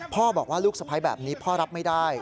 พ่อบอกว่าลูกสะพ้ายแบบนี้พ่อรับไม่ได้